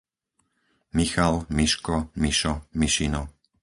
Michal, Miško, Mišo, Mišino